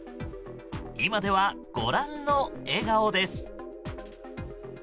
今では、ご覧の笑顔です。